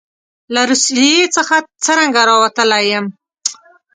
له روسیې څخه څرنګه راوتلی یم.